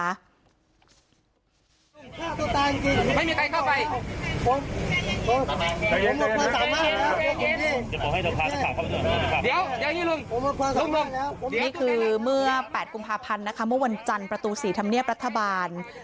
นี่คือเมื่อ๘กุมภาพันธ์นะคะเมื่อวันจันทร์ประตู๔ธรรมเนียบรัฐบาล